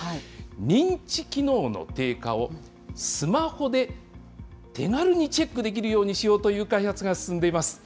認知機能の低下をスマホで手軽にチェックできるようにしようという開発が進んでいます。